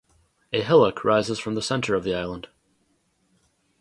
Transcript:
A hillock rises from the centre of the island.